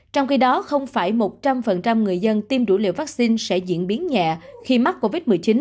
trong khi đó không phải một trăm linh người dân tiêm đủ liều vaccine sẽ diễn biến nhẹ khi mắc covid một mươi chín